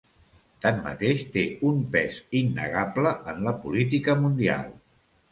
Tanmateix, té un pes innegable en la política mundial.